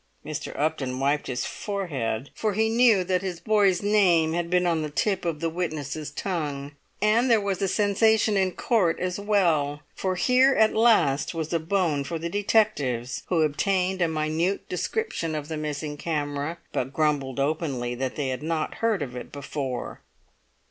Mr. Upton wiped his forehead, for he knew that his boy's name had been on the tip of the witness's tongue. And there was a sensation in court as well; for here at last was a bone for the detectives, who obtained a minute description of the missing camera, but grumbled openly that they had not heard of it before.